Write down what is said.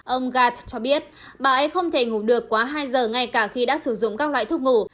ông gartner cho biết bà ấy không thể ngủ được quá hai giờ ngay cả khi đã sử dụng các loại thuốc ngủ